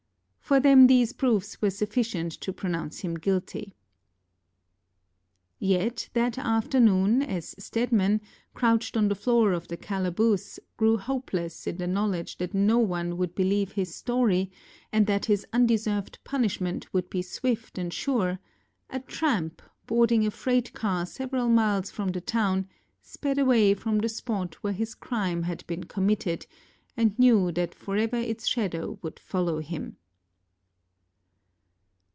For them, these proofs were sufficient to pronounce him guilty. Yet that afternoon, as Stedman, crouched on the floor of the calaboose, grew hopeless in the knowledge that no one would believe his story, and that his undeserved punishment would be swift and sure, a tramp, boarding a freight car several miles from the town, sped away from the spot where his crime had been committed, and knew that forever its shadow would follow him.